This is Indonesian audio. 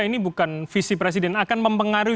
ini bukan visi presiden akan mempengaruhi